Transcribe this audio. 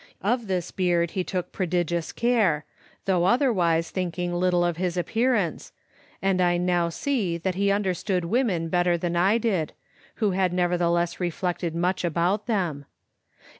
Of this beard he took prodigious care, though otherwise thinking little of his appearance, and I now see that he understood women better than I did, who had neverthe less reflected much about them.